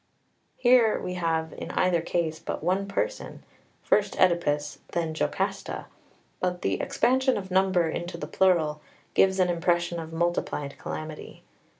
Here we have in either case but one person, first Oedipus, then Jocasta; but the expansion of number into the plural gives an impression of multiplied calamity.